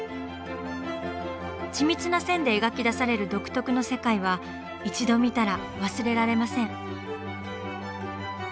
緻密な線で描き出される独特の世界は一度見たら忘れられません。